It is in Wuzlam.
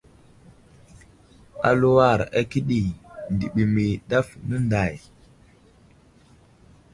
Aluwar akəɗi ndiɓimi ɗaf nənday.